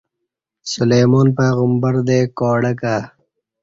سلیمان پیغمبردے کاڈک ہ